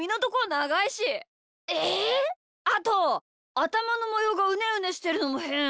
あとあたまのもようがうねうねしてるのもへん！